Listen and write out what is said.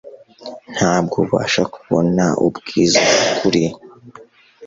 Ntabwo ubasha kubona ubwiza bw'ukuri,